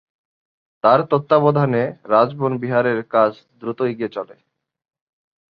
তার তত্ত্বাবধানে রাজবন বিহারের কাজ দ্রুত এগিয়ে চলে।